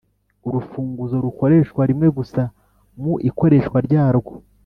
Urufunguzo rukoreshwa rimwe gusa mu Ikoreshwa ryarwo